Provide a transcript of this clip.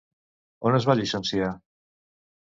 On es va llicenciar?